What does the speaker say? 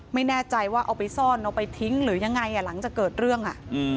ไม่แน่ใจว่าเอาไปซ่อนเอาไปทิ้งหรือยังไงหลังจากเกิดเรื่อง